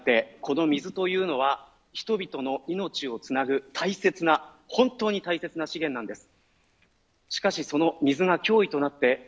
パキスタンにあってこの水というのは人々の命をつなぐ大切な本当に大切な資源なんです。